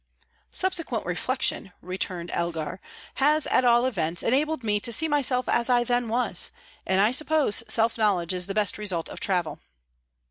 "Subsequent reflection," returned Elgar, "has, at all events, enabled me to see myself as I then was; and I suppose self knowledge is the best result of travel."